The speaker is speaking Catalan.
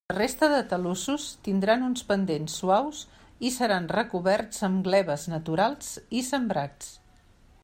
La resta de talussos tindran uns pendents suaus i seran recoberts amb gleves naturals i sembrats.